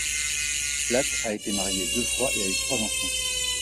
Platt a été marié deux fois et a eu trois enfants.